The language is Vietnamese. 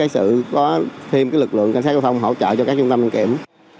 sự có thêm lực lượng cảnh sát giao thông hỗ trợ cho các trung tâm đăng kiểm